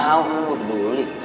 maksudnya gue udah peduli